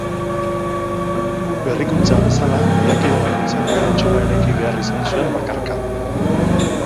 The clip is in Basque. Berrikuntza bezala, lehiakide bakoitzak bere etxola eraiki behar izan zuen, bakarka.